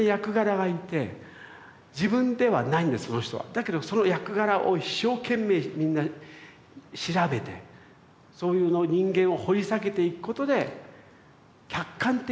だけどその役柄を一生懸命みんな調べてそういう人間を掘り下げていくことで客観的に人を見ていける。